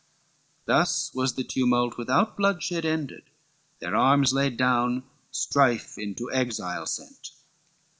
LXXXV Thus was the tumult, without bloodshed, ended. Their arms laid down, strife into exile sent.